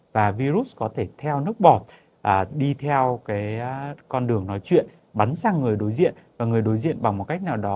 và virus có thể theo nước bọt đi theo cái con đường nói chuyện bắn sang người đối diện và người đối diện bằng một cách nào đó